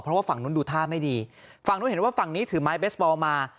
เพราะว่าฝั่งนู้นดูท่าไม่ดีฝั่งนู้นเห็นว่าฝั่งนี้ถือไม้เบสบอลมา